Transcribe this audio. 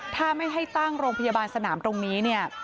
ถ้าไม่ให้ตั้งโรงพยาบาลสนามตรงนี้เนี่ย